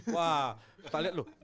wah tak lihat loh